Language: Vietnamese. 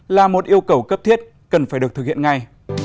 là một yêu cầu cấp thiết cần phải được thực hiện ngay